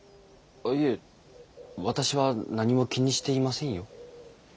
いえ私は何も気にしていませんよ。